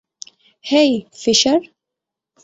হেই, fisher.